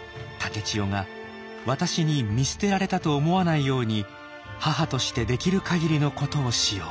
「竹千代が私に見捨てられたと思わないように母としてできる限りのことをしよう」。